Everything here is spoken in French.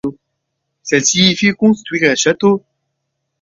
Celle-ci y fit construire un château.